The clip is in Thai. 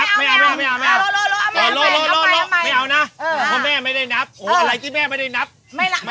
ต่อไปไม่ต้องไปนับแล้วนะไม่เอานะไม่เอาไม่เอาไม่เอา